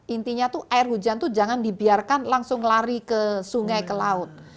intinya tuh air hujan itu jangan dibiarkan langsung lari ke sungai ke laut